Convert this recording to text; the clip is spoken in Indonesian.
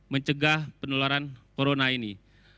mencegah penularan corona ini